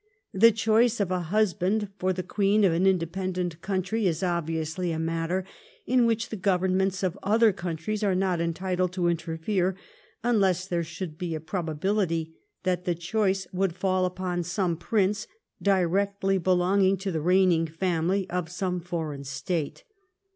The choice of a husband for the Queen of an independent country is obviously a matter in which the Govern ments of other countries are not entitled to interfere unless there Bhould be a probability that the choice would faU upon sonoe prince •.. directly belonging to the reigning family'of some foreign state.